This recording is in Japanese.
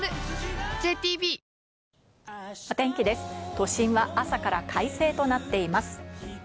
都心は朝から快晴となっています。